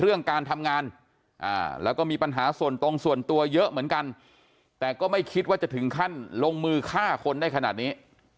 เรื่องการทำงานแล้วก็มีปัญหาส่วนตรงส่วนตัวเยอะเหมือนกันแต่ก็ไม่คิดว่าจะถึงขั้นลงมือฆ่าคนได้ขนาดนี้